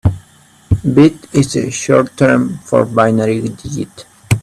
Bit is the short term for binary digit.